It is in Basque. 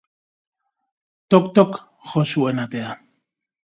Tok-tok jo zuen atea.